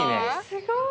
すごい！